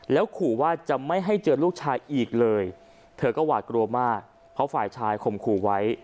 แล้วขู่ว่าจะไม่ให้เจอลูกชายอีกเลยเธอก็หวาดกลัวมากเพราะฝ่ายชายข่มขู่ไว้